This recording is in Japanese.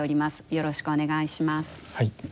よろしくお願いします。